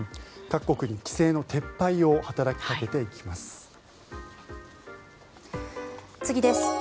各国に規制の撤廃を働きかけていきます。